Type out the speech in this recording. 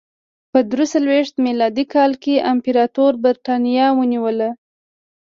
په درې څلوېښت میلادي کال کې امپراتور برېټانیا ونیوله